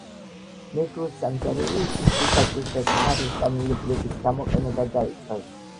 მეგრულ სამზარეულოში წიწაკის და ცხარე სანენებლების გამოყენება დაიწყეს.